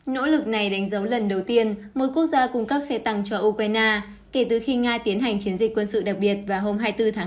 nỗ lực này đánh dấu lần đầu tiên mỗi quốc gia cung cấp xe tăng cho ukraine kể từ khi nga tiến hành chiến dịch quân sự đặc biệt vào hôm hai mươi bốn tháng năm